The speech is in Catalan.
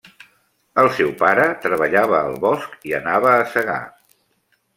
El seu pare treballava al bosc i anava a segar.